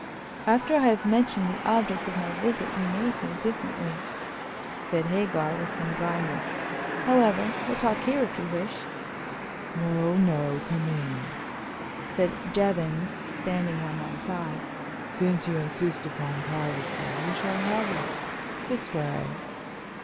"After I have mentioned the object of my visit you may think differently," said Hagar, with some dryness. "However, we'll talk here if you wish." "No, no; come in," said Jevons, standing on one side. "Since you insist upon privacy, you shall have it. This way."